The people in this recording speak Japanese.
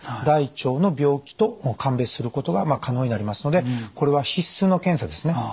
大腸の病気と鑑別することが可能になりますのでこれは必須の検査ですね。